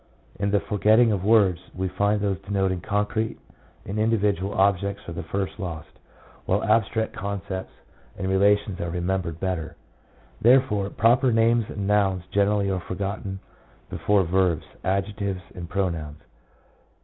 In the forgetting of words, we find those denoting concrete and individual objects are the first lost, while abstract concepts and relations are remembered better. There fore proper names and nouns generally are forgotten before verbs, adjectives, and pronouns.